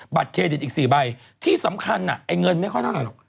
เครดิตอีก๔ใบที่สำคัญไอ้เงินไม่ค่อยเท่าไหรหรอก